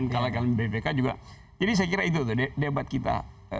kalahin bpk juga jadi saya kira itu debat kita